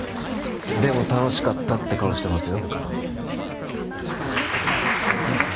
でも楽しかったって顔してますよ。